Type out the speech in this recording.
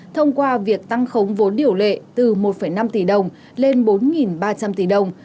thông qua việc tăng khống vốn điều lệ từ một năm tỷ đồng lên bốn ba trăm linh tỷ đồng